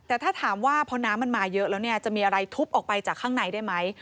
แต่ถ้าถามว่าพอน้ำมันมาเยอะแล้วเนี่ยจะมีอะไรทุบออกไปจากข้างในได้ไหม